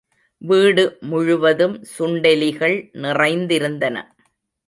வீடு முழுவதும் சுண்டெலிகள் நிறைந்திருந்தன.